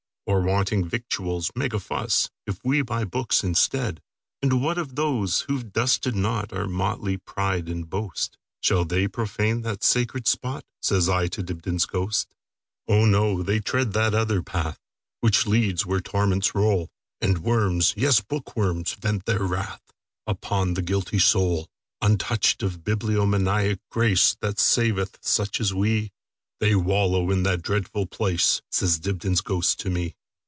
Or, wanting victuals, make a fussIf we buy books instead? And what of those who 've dusted notOur motley pride and boast,—Shall they profane that sacred spot?"Says I to Dibdin's ghost."Oh, no! they tread that other path, Which leads where torments roll, And worms, yes, bookworms, vent their wrathUpon the guilty soul. Untouched of bibliomaniac grace, That saveth such as we, They wallow in that dreadful place,"Says Dibdin's ghost to me.